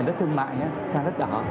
đất thương mại sang đất đỏ